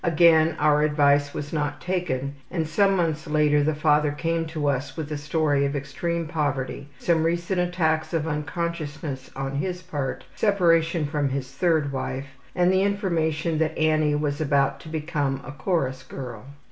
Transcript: Again our advice was not taken and some months later the father came to us with the story of extreme poverty, some recent attacks of unconsciousness on his part, separation from his third wife, and the information that Annie was about to become a chorus girl.